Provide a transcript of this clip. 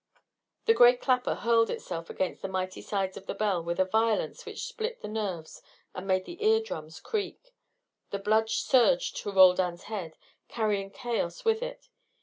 The great clapper hurled itself against the mighty sides of the bell with a violence which split the nerves and made the ear drums creak. The blood surged to Roldan's head, carrying chaos with it.